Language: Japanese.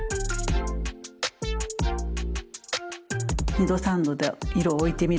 ２度３度と色を置いてみる。